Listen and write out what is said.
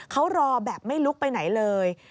เขารอแบบไม่ลุกไปไหนเลย